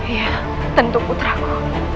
iya tentu putraku